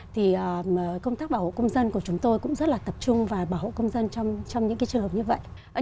thì công tác bảo hộ công dân của chúng tôi cũng rất là tập trung và bảo hộ công dân trong những trường hợp như vậy